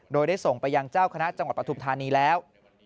โดยได้ส่งไปยังเจ้าคณะจังหวัดปฐุมธานีแล้ว